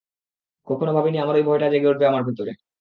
কখনো ভাবিনি আবার ঐ ভয়টা জেগে উঠবে আমার ভেতরে।